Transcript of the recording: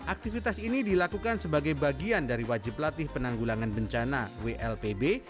aktivitas ini dilakukan sebagai bagian dari wajib latih penanggulangan bencana wlpb